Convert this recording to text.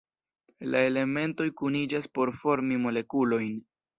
La elementoj kuniĝas por formi molekulojn.